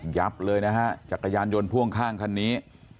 เลยนะฮะจักรยานยนต์พ่วงข้างคันนี้